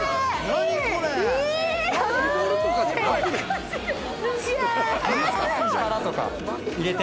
何これ！